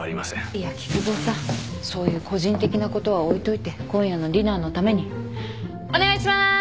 いや菊蔵さんそういう個人的なことは置いといて今夜のディナーのためにお願いしまーす！